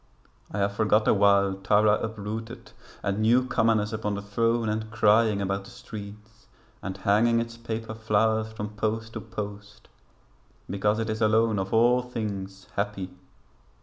I have forgot awhile Tara uprooted, and new commonness Upon the throne and crying about the streets And hanging its paper flowers from post to post, Because it is alone of all things happy.